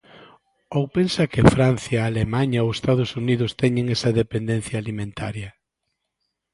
¿Ou pensa que Francia, Alemaña ou Estados Unidos teñen esa dependencia alimentaria?